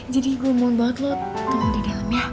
jadi gue mohon banget lo tunggu di dalam ya oke